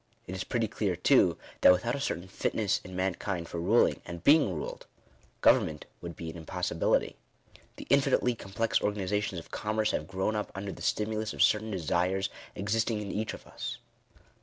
It is pretty clear too, that without a certain fitness in mankind for ruling, and being ruled, government 1 would be an impossibility. The infinitely complex organizations of com merce, have grown up under the stimulus of certain desires existing in each of us.